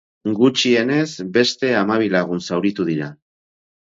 Gutxienez beste hamabi lagun zauritu dira.